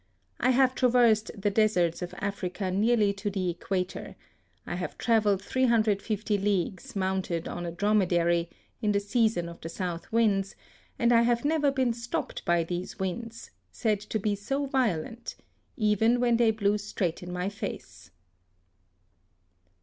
I have traversed the deserts of THE SUEZ CANAL. 21 Africa nearly to the equator ; I have travel led 350 leagues, mounted on a dromedary, in the season of the south winds, and I have never been stopped by these winds, said to be so violent, even when they blew straight in my face.